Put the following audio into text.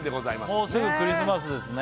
もうすぐクリスマスですね